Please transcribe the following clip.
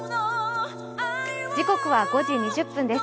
時刻は５時２０分です。